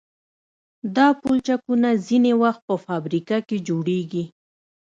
دا پلچکونه ځینې وخت په فابریکه کې جوړیږي